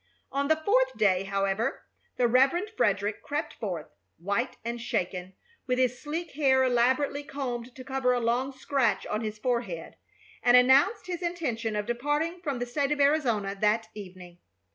On the fourth day, however, the Reverend Frederick crept forth, white and shaken, with his sleek hair elaborately combed to cover a long scratch on his forehead, and announced his intention of departing from the State of Arizona that evening.